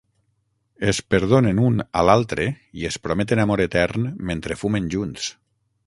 Es perdonen un a l'altre i es prometen amor etern mentre fumen junts.